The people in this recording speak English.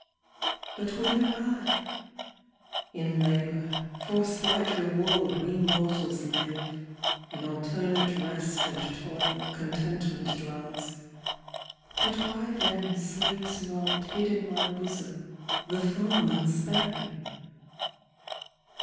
But whither II In labor, for slight reward We mortals live; in alternate rest and toil Contentment dwells; but why then sleeps not Hid in my bosom the thorn unsparing?